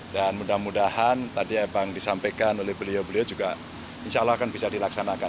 dan mudah mudahan tadi supporters kalima dan beli'u disampaikan sie juga insya allah bisa dilaksanakan